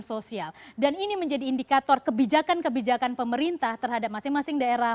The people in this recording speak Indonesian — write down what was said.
sosial dan ini menjadi indikator kebijakan kebijakan pemerintah terhadap masing masing daerah